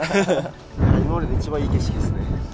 今までで一番いい景色ですね。